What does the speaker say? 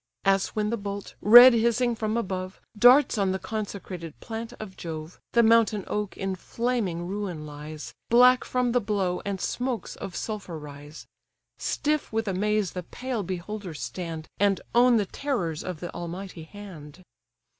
As when the bolt, red hissing from above, Darts on the consecrated plant of Jove, The mountain oak in flaming ruin lies, Black from the blow, and smokes of sulphur rise; Stiff with amaze the pale beholders stand, And own the terrors of the almighty hand!